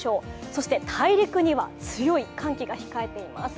そして大陸には強い寒気が控えています。